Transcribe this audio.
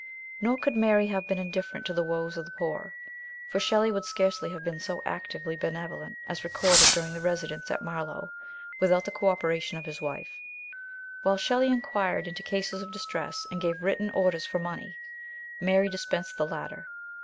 Nor could Mary have been indifferent to the woes of the poor, for Shelley RETURN TO ENGLAND. 121 would scarcely have been so actively benevolent as recorded during the residence at Marlow without the co operation of his wife. While Shelley enquired into cases of distress and gave written orders for money, Mary dispensed the latter.